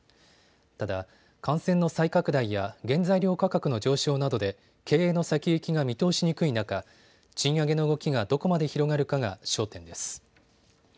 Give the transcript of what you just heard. ただ感染の再拡大や原材料価格の上昇などで経営の先行きが見通しにくい中、賃上げの動きがどこまで広がるかが焦点です。